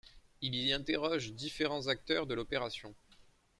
Il y interroge différents acteurs de l'opération.